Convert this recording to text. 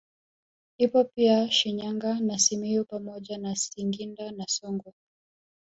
Ipo pia Shinyanga na Simiyu pamoja na Singida na Songwe